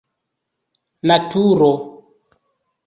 naturo